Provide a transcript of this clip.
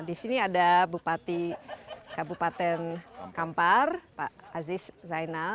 di sini ada bupati kabupaten kampar pak aziz zainal